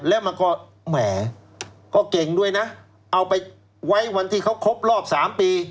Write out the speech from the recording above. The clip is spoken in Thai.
แล้วมันก็แหมก็เก่งด้วยนะเอาไปไว้วันที่เขาครบรอบ๓ปี